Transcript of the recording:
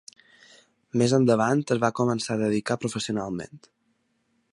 Més endavant es va començar a dedicar professionalment.